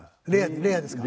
レアですか？